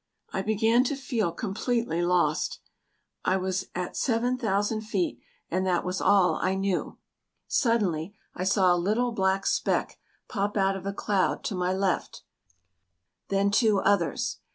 I began to feel completely lost. I was at 7,000 feet and that was all I knew. Suddenly I saw a little black speck pop out of a cloud to my left then two others.